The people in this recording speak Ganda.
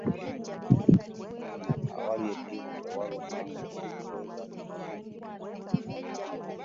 Awali eddibu tewaluma ,nga siggwe balikubye .